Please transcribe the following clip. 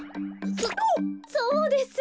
そそうです。